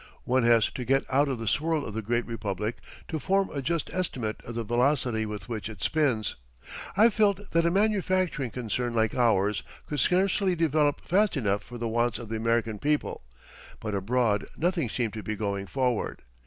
One has to get out of the swirl of the great Republic to form a just estimate of the velocity with which it spins. I felt that a manufacturing concern like ours could scarcely develop fast enough for the wants of the American people, but abroad nothing seemed to be going forward.